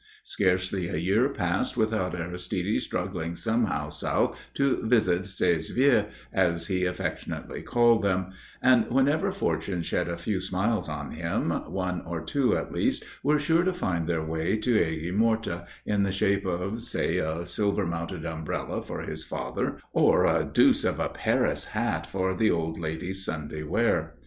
Scarcely a year passed without Aristide struggling somehow south to visit ses vieux, as he affectionately called them, and whenever Fortune shed a few smiles on him, one or two at least were sure to find their way to Aigues Mortes in the shape of, say, a silver mounted umbrella for his father or a deuce of a Paris hat for the old lady's Sunday wear.